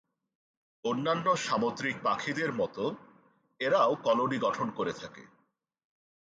অন্যান্য সামুদ্রিক পাখিদের মতোন এরাও কলোনি গঠন করে থাকে।